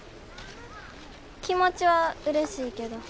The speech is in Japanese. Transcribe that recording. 気持ちはうれしいけど。